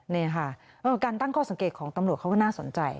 นี่ค่ะการตั้งข้อสังเกตของตำรวจเขาก็น่าสนใจ